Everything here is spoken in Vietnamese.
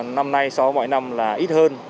năm nay so với mọi năm là ít hơn